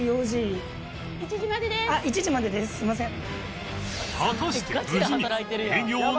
あっ１時までですすみません。